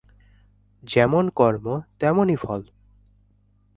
যেমন কর্ম, তেমনি ফল।